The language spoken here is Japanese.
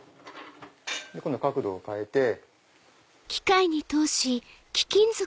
今度角度を変えて。